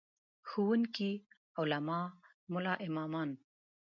ښوونکي، علما، ملا امامان.